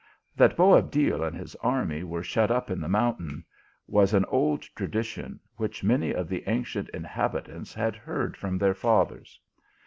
That Boabdil and his army were shut up in the mountain, was an old tradition which many of the ancient inhabitants had heard from their fathers.